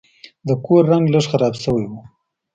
د کور رنګ لږ خراب شوی و.